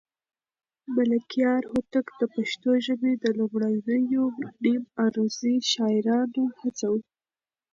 ملکیار هوتک د پښتو ژبې د لومړنيو نیم عروضي شاعرانو څخه و.